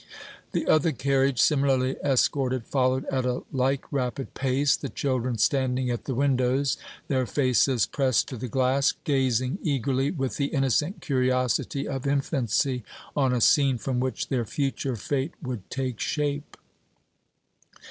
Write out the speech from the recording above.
The other carriage, similarly escorted, followed at a like rapid pace, the children standing at the windows, their faces pressed to the glass, gazing eagerly, with the innocent curiosity of infancy, on a scene from which their future fate would take shape.